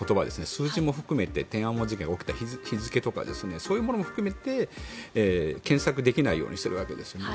数字も含めて天安門事件が起きた日付とかそういうものも含めて検索できないようにしているわけですね。